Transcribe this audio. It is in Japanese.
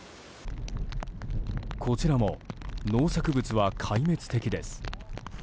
こちらも農作物は壊滅的です。